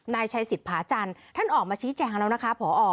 นายชัยสิทธิผาจันทร์ท่านออกมาชี้แจงแล้วนะคะพอ